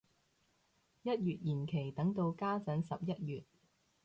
一月延期等到家陣十一月